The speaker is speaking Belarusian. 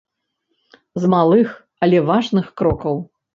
З малых, але важных крокаў.